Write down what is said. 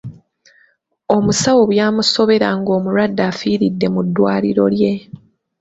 Omusawo byamusobera ng'omulwadde afiiridde mu ddwaliro lye.